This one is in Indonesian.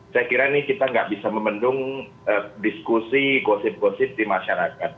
saya kira ini kita nggak bisa memendung diskusi gosip gosip di masyarakat